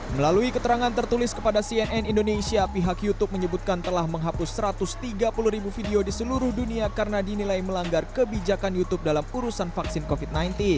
melalui keterangan tertulis kepada cnn indonesia pihak youtube menyebutkan telah menghapus satu ratus tiga puluh ribu video di seluruh dunia karena dinilai melanggar kebijakan youtube dalam urusan vaksin covid sembilan belas